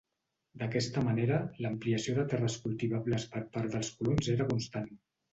D'aquesta manera, l'ampliació de terres cultivables per part dels colons era constant.